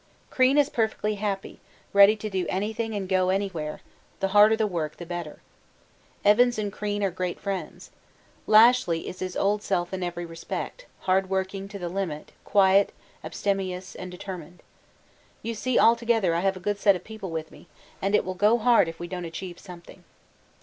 'Crean is perfectly happy, ready to do anything and go anywhere, the harder the work, the better. Evans and Crean are great friends. Lashly is his old self in every respect, hard working to the limit, quiet, abstemious, and determined. You see altogether I have a good set of people with me, and it will go hard if we don't achieve something.